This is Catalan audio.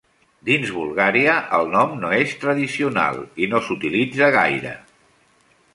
Dins Bulgària, el nom no és tradicional i no s'utilitza gaire.